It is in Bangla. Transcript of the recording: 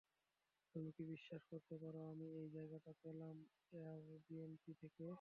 তুমি কি বিশ্বাস করতে পারো আমি এই জায়গাটা পেলাম এয়ারবিএনবি থেকে?